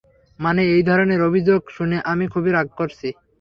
মানে, এই ধরণের অভিযোগ শুনে আমি খুবই রাগ করেছি!